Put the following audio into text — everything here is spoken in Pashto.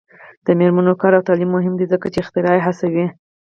د میرمنو کار او تعلیم مهم دی ځکه چې اختراع هڅوي.